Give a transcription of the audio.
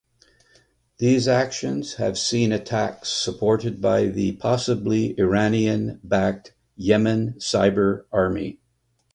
These actions have seen attacks supported by the possibly Iranian backed Yemen Cyber Army.